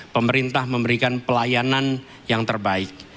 pemerintah memberikan pelayanan yang terbaik